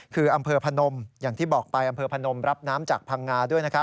คืออำเภอพนมอย่างที่บอกไปอำเภอพนมรับน้ำจากพังงาด้วย